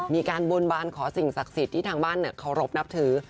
มีการบนบานขอสิ่งศักดิ์สิทธิ์ที่ทางบ้านเคารพนับถือ